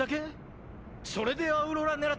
それでアウロラ狙ってんのか？